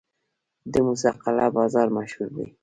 د موسی قلعه بازار مشهور دی